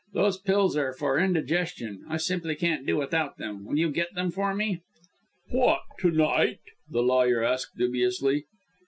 These pills are for indigestion. I simply can't do without them. Will you get them for me?" "What, to night?" the lawyer asked dubiously.